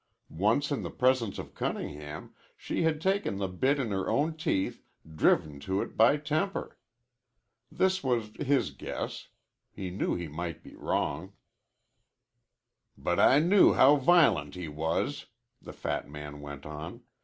Once in the presence of Cunningham, she had taken the bit in her own teeth, driven to it by temper. This was his guess. He knew he might be wrong. "But I knew how violent he was," the fat man went on.